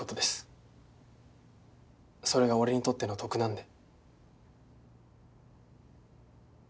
それが俺にとっての得なんで。